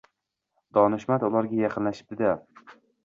Donishmand ularga yaqinlashibdi-da